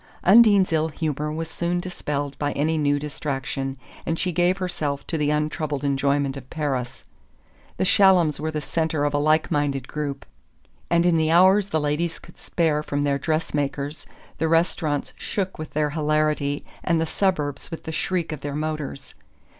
Undine's ill humour was soon dispelled by any new distraction, and she gave herself to the untroubled enjoyment of Paris. The Shallums were the centre of a like minded group, and in the hours the ladies could spare from their dress makers the restaurants shook with their hilarity and the suburbs with the shriek of their motors.